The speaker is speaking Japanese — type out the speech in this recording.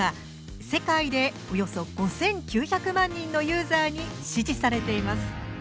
世界でおよそ５，９００万人のユーザーに支持されています